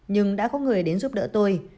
nhưng đã có người đến giúp đỡ tôi